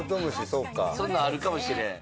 そんなんあるかもしれん。